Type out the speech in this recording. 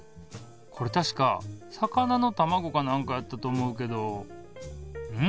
これ確か魚のたまごかなんかやったと思うけどん？